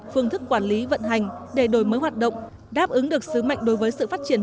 phương thức quản lý vận hành để đổi mới hoạt động đáp ứng được sứ mệnh đối với sự phát triển